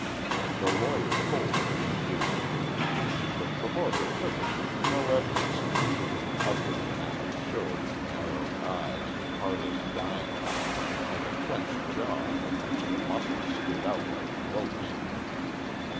The lawyer told what he knew. The promoter took it with no evidence of feeling other than that which showed in narrowed eyes hard as diamonds and a clenched jaw in which the muscles stood out like ropes.